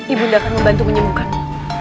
ibu ndakan membantu menyembuhkanku